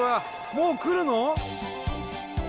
もう来るの！？